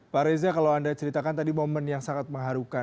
pak reza kalau anda ceritakan tadi momen yang sangat mengharukan